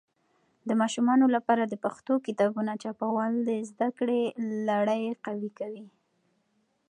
د ماشومانو لپاره د پښتو کتابونه چاپول د زده کړې لړی قوي کوي.